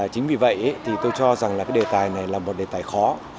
chính vì vậy thì tôi cho rằng là cái đề tài này là một đề tài khó